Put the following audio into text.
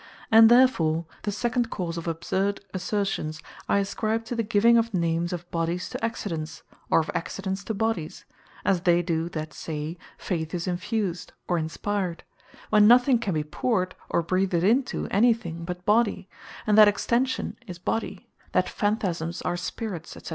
And therefore The second cause of Absurd assertions, I ascribe to the giving of names of Bodies, to Accidents; or of Accidents, to Bodies; As they do, that say, Faith Is Infused, or Inspired; when nothing can be Powred, or Breathed into any thing, but body; and that, Extension is Body; that Phantasmes are Spirits, &c.